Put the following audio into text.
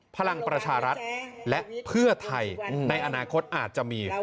พลังประชารัฐและเพื่อไทยในอนาคตอาจจะมี